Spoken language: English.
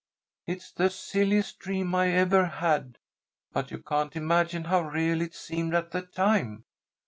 It's the silliest dream I ever had, but you can't imagine how real it seemed at the time.